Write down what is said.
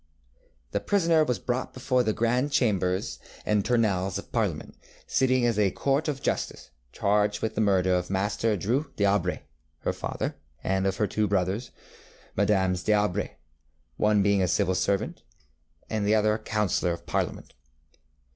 ŌĆ£The prisoner was brought before the Grand Chambers and Tournelles of Parliament, sitting as a court of justice, charged with the murder of Master Dreux dŌĆÖAubray, her father, and of her two brothers, MM. dŌĆÖAubray, one being civil lieutenant, and the other a counsellor of Parliament.